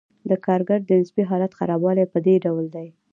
د کارګر د نسبي حالت خرابوالی په دې ډول دی